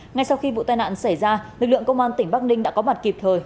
ngay sau khi vụ tai nạn xảy ra lực lượng công an tỉnh bắc ninh đã có mặt kịp thời